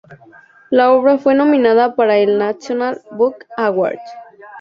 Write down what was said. La obra fue nominada para el National Book Award.